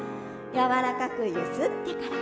やわらかく揺すってから。